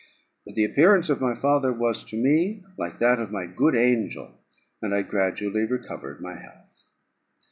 But the appearance of my father was to me like that of my good angel, and I gradually recovered my health.